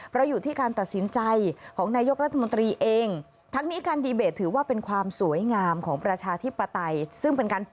เพราะอยู่ที่การตัดสินใจของนายกรัฐมนตรีเอง